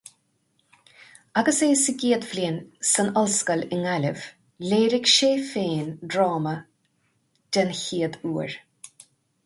Agus é sa gcéad bhliain san ollscoil i nGaillimh, léirigh sé féin drama den chéad uair.